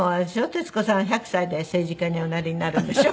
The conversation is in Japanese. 徹子さん１００歳で政治家におなりになるんでしょ？